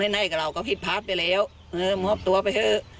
ไหนกับเราก็ผิดพลาดไปแล้วเออมอบตัวไปเถอะ